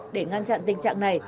để ngăn chặn tình trạng này